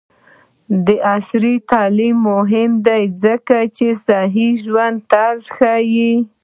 عصري تعلیم مهم دی ځکه چې د صحي ژوند طرز ښيي.